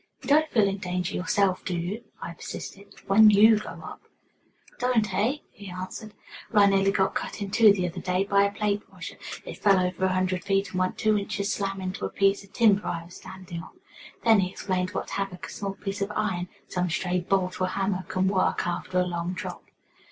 "You don't feel in danger yourself, do you," I persisted, "when you go up?" "Don't, eh?" he answered. "Well, I nearly got cut in two the other day by a plate washer. It fell over a hundred feet, and went two inches slam into a piece of timber I was standing on." Then he explained what havoc a small piece of iron some stray bolt or hammer can work after a long drop.